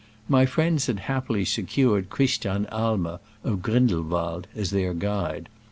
My friends had happily secured Christian Aimer of Grindelwald as their guide.